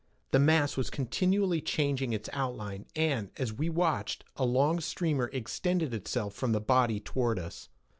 The mass was continually changing its outline and, as we watched, a long streamer extended itself from the body toward us.